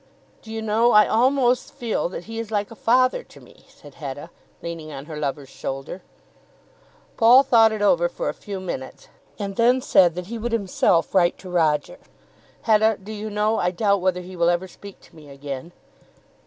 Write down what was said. "Do you know I almost feel that he is like a father to me," said Hetta, leaning on her lover's shoulder. Paul thought it over for a few minutes, and then said that he would himself write to Roger. "Hetta, do you know, I doubt whether he will ever speak to me again."